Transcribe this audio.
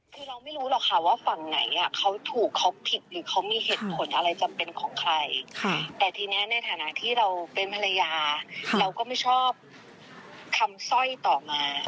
ที่พี่ต้นเขาก็ไม่ได้มีอะไรหรอกเขาก็ทำงานหาเงินทำงานหนักอยู่แล้ว